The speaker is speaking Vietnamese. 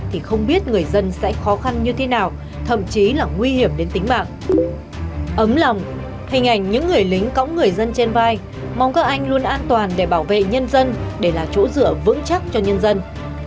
hình ảnh những người lính cõng người dân trên vai mong các anh luôn an toàn để bảo vệ nhân dân để là chỗ rửa vững chắc cho nhân dân